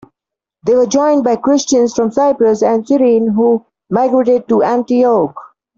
They were joined by Christians from Cyprus and Cyrene who migrated to Antioch.